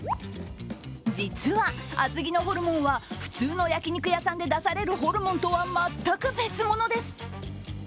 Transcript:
実は、厚木のホルモンは、普通の焼き肉屋さんで出されるホルモンとは全く別物です。